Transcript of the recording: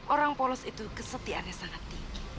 orang polos itu kesetiaannya sangat tinggi